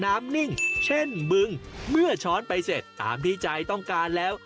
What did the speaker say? นิ่งเช่นบึงเมื่อช้อนไปเสร็จตามที่ใจต้องการแล้ว